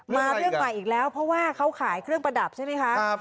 มาเรื่องใหม่อีกแล้วเพราะว่าเขาขายเครื่องประดับใช่ไหมคะ